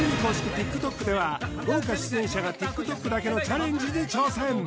ＴｉｋＴｏｋでは豪華出演者がＴｉｋＴｏｋだけのチャレンジに挑戦！